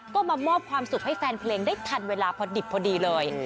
ก็มามอบความสุขให้แฟนเพลงได้ทันเวลาพอดิบพอดีเลย